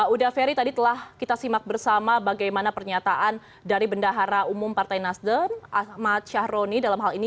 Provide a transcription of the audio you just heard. uda ferry tadi telah kita simak bersama bagaimana pernyataan dari bendahara umum partai nasdem ahmad syahroni dalam hal ini